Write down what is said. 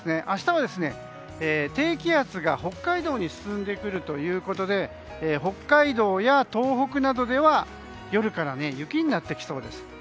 明日は低気圧が北海道に進んでくるということで北海道や東北などでは夜から雪になってきそうです。